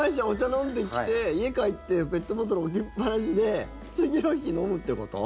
飲んできて、家帰ってペットボトル置きっぱなしで次の日飲むってこと？